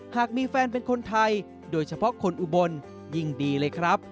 หากมีแฟนเป็นคนไทยโดยเฉพาะคนอุบลยิ่งดีเลยครับ